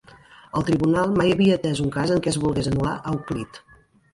El tribunal mai havia atès un cas en què es volgués anul·lar "Euclid".